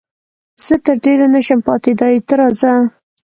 زه تر ډېره نه شم پاتېدای، ته راځه.